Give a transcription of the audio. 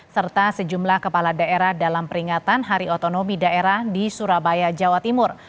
serta sejumlah kepala daerah dalam peringatan hari otonomi daerah di surabaya jawa timur